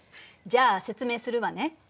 じゃあ説明するわね。